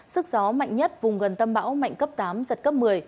sức gió mạnh nhất vùng gần tâm bão mạnh cấp tám giật cấp một mươi